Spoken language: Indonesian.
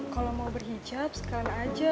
kalo mau berhijab sekarang aja